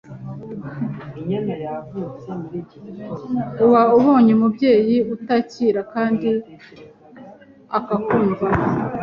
uba ubonye umubyeyi utakira kandi akakumva.